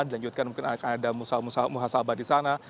dan juga akan ada musabah di sana